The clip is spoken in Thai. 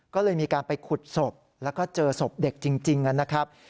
ก็เลยมีการไปขุดศพแล้วก็เจอศพเด็กจริงนะครับ